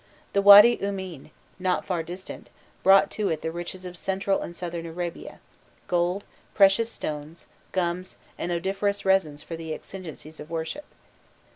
The Wady Eummein, not far distant, brought to it the riches of Central and Southern Arabia, gold, precious stones, gums, and odoriferous resins for the exigencies of worship.